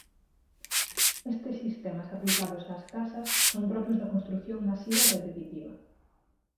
Estes sistemas aplicados ás casas son propios da construción masiva e repetitiva.